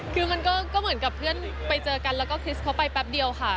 คือมันก็เหมือนกับเพื่อนไปเจอกันแล้วก็คริสเขาไปแป๊บเดียวค่ะ